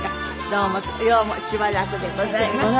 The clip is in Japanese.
どうもしばらくでございました。